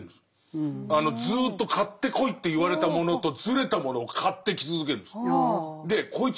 ずっと買ってこいって言われたものとずれたものを買ってき続けるんです。